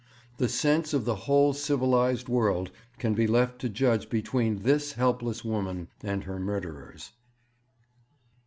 The sense of the whole civilized world can be left to judge between this helpless woman and her murderers.'